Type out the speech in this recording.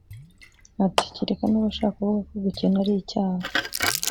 ati “kereka niba ashaka kuvuga ko gukena ari icyaha